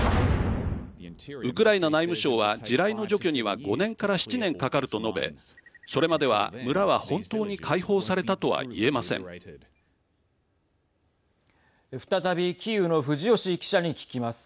ウクライナ内務省は地雷の除去には５年から７年かかると述べそれまでは村は本当に再びキーウの藤吉記者に聞きます。